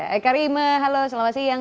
eka rima halo selamat siang